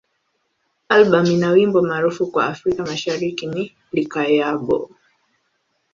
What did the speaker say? Albamu ina wimbo maarufu kwa Afrika Mashariki ni "Likayabo.